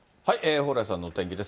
蓬莱さんのお天気です。